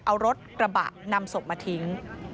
เอารถกระบะนำศพมาทิ้ง